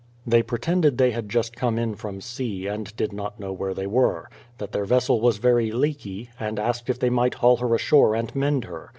They pretended they had just come in from sea, and did not know where they were; tliat their vessel was very leaky, and asked if they might haul her ashore and mend her.